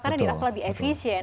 karena di rakyat lebih efisien